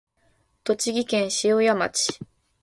栃木県塩谷町